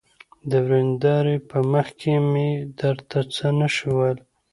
د ويندارې په مخکې مې درته څه نشوى ويلى.